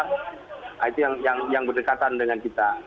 nah itu yang berdekatan dengan kita